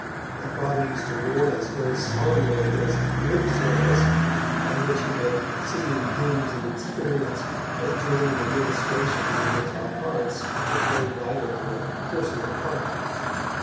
My Father used to warn us very solemnly against 'lip service', by which he meant singing hymns of experience and joining in ministrations in which our hearts took no vital or personal part.